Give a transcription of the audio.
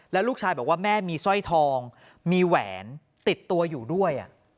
แล้วลูกชายบอกว่าแม่มีสร้อยทองมีแหวนติดตัวอยู่ด้วย